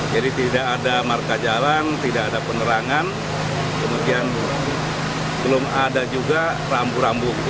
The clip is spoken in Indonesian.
jadi tidak ada marka jalan tidak ada penerangan kemudian belum ada juga rambu rambu